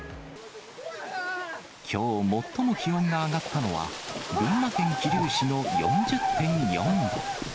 きょう最も気温が上がったのは、群馬県桐生市の４０．４度。